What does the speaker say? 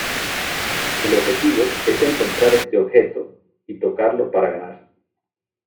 El objetivo es encontrar este objeto y tocarlo para ganar.